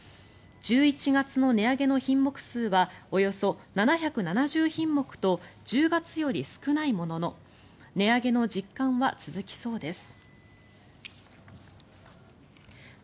１１月の値上げの品目数はおよそ７７０品目と１０月より少ないものの値上げの実感は続きそうです。